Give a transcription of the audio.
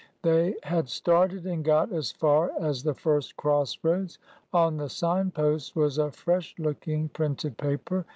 They had started and got as far as the first cross roads. On the sign post was a fresh looking printed paper.